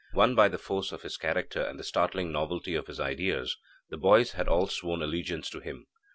Won by the force of his character and the startling novelty of his ideas, the boys had all sworn allegiance to him.